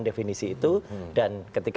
definisi itu dan ketika